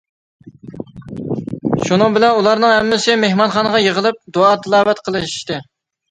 شۇنىڭ بىلەن ئۇلارنىڭ ھەممىسى مېھمانخانىغا يىغىلىپ دۇئا-تىلاۋەت قىلىشتى.